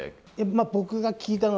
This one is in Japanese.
僕が聞いたのはですね